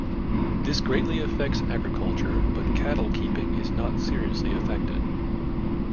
This greatly affects agriculture, but cattle keeping is not seriously affected.